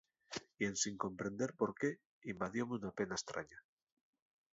Y ensin comprender por qué, invadióme una pena estraña.